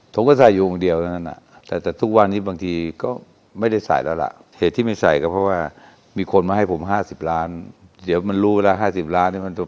ทุกวันนี้บางทีก็ไม่ได้ใส่แล้วล่ะ